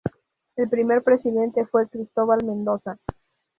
El primer presidente fue Cristóbal Mendoza.